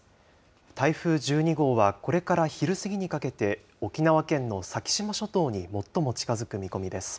台風１２号は、これから昼過ぎにかけて、沖縄県の先島諸島に最も近づく見込みです。